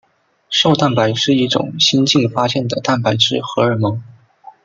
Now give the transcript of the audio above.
瘦蛋白是一种新近发现的蛋白质荷尔蒙。